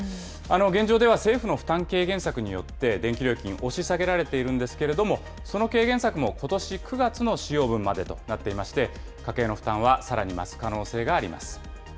現状では政府の負担軽減策によって電気料金、押し下げられているんですけれども、その軽減策も、ことし９月の使用分までとなっていまして、家計への負担はさらに増す可能性があります。